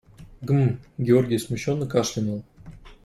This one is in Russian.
Гм… – Георгий смущенно кашлянул.